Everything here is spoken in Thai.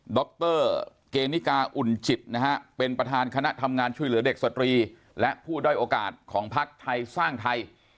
ดรเกณฑิกาอุ่นจิตนะฮะเป็นประธานคณะทำงานช่วยเหลือเด็กสตรีและผู้ด้อยโอกาสของพักไทยสร้างไทย